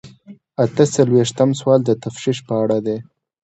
اته څلویښتم سوال د تفتیش په اړه دی.